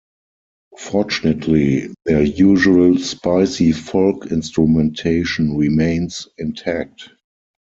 Fortunately, their usual spicy folk instrumentation remains intact.